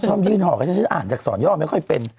ชอบยื่นหอกอ่านจักษรย่อไม่ค่อยเป็น